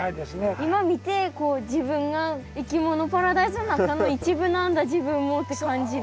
今見てこう自分がいきものパラダイスの中の一部なんだ自分もって感じです。